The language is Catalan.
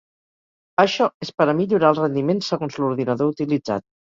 Això és per a millorar el rendiment segons l'ordinador utilitzat.